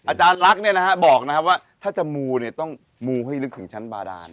อาจารย์รักบอกนะครับถ้าจะหมูต้องหมูให้ฮึกถึงชั้นบาดาน